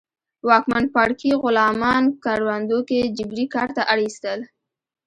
واکمن پاړکي غلامان کروندو کې جبري کار ته اړ اېستل